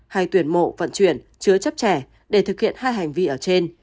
hay tuyển mộ vận chuyển chứa chấp trẻ để thực hiện hai hành vi ở trên